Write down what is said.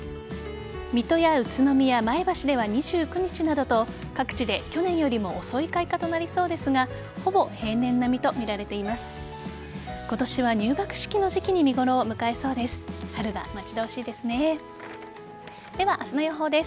水戸や宇都宮、前橋では２９日などと各地で去年よりも遅い開花となりそうですがほぼ平年並みとみられています。